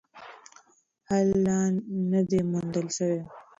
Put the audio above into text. حل لا نه دی موندل سوی.